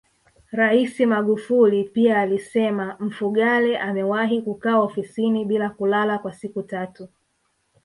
Rais Magufuli pia alisema Mfugale amewahi kukaa ofisini bila kulala kwa siku tatu